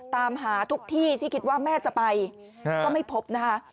ตามหาทุกที่ที่คิดว่าแม่จะไปก็ไม่พบนะคะ